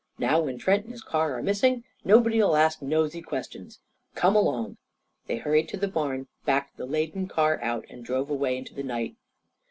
Now, when Trent and his car are missing, nobody'll ask nosey questions. Come along!" They hurried to the barn, backed the laden car out, and drove away into the night.